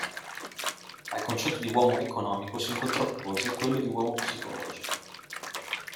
Al concetto di uomo economico si contrappose quello di uomo psicologico.